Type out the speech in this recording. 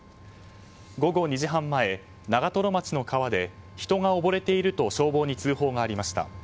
午後２時半前、長瀞町の川で人が溺れていると消防に通報がありました。